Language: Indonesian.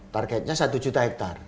targetnya satu juta hektar